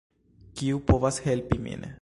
Kiu povas helpi min?